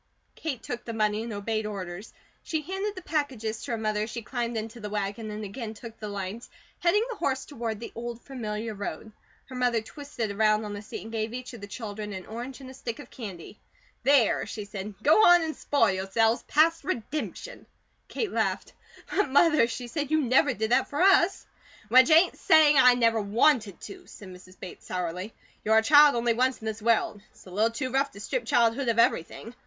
Kate took the money and obeyed orders. She handed the packages to her mother as she climbed into the wagon and again took the lines, heading the horse toward the old, familiar road. Her mother twisted around on the seat and gave each of the children an orange and a stick of candy. "There!" she said. "Go on and spoil yourselves past redemption." Kate laughed. "But, Mother," she said, "you never did that for us." "Which ain't saying I never WANTED to," said Mrs. Bates, sourly. "You're a child only once in this world; it's a little too rough to strip childhood of everything.